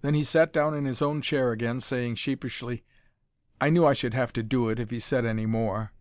Then he sat down in his own chair again, saying sheepishly: "I knew I should have to do it, if he said any more."